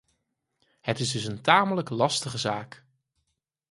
Het is dus een tamelijk lastige zaak.